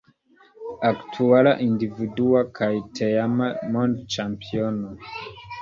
Aktuala individua kaj teama mondĉampiono.